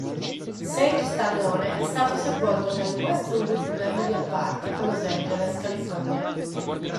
Sage Stallone è stato sepolto nel Westwood Memorial Park a Los Angeles, California.